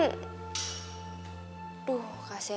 aduh kasihan ya